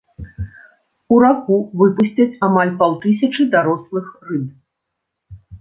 У раку выпусцяць амаль паўтысячы дарослых рыб.